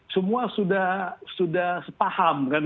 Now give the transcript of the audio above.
semua sudah sepaham